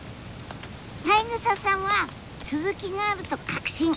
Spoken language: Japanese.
三枝さんは続きがあると確信